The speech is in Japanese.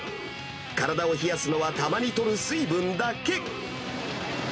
体を冷やすのは、たまにとる水分だけ。